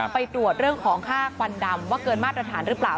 ไปตรวจเรื่องของค่าควันดำว่าเกินมาตรฐานหรือเปล่า